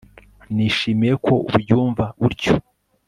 nishimiye ko ubyumva utyo